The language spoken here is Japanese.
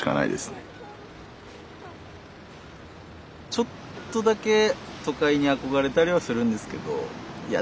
ちょっとだけ都会に憧れたりはするんですけどいや